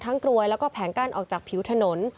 ทั้งกรวยและแผงกั้นออกจากผิวถนน